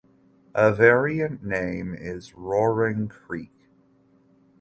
A variant name is "Roaring Creek".